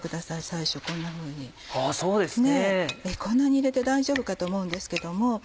こんなに入れて大丈夫かと思うんですけども。